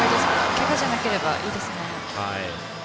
けがじゃなければいいですね。